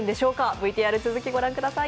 ＶＴＲ、続き御覧ください。